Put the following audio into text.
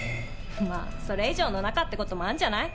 まぁそれ以上の仲ってこともあんじゃない？